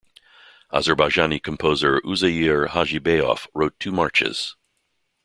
Azerbaijani composer Uzeyir Hajibeyov wrote two marches.